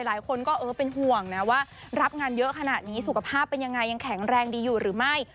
หลายคนก็เออเป็นห่วงนะว่ารับงานเยอะขนาดนี้สุขภาพเป็นยังไงยังแข็งแรงดีอยู่หรือไม่